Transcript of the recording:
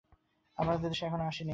আপনার দেশে এখনো আসি নি।